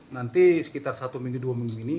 nanti sekitar satu minggu dua minggu ini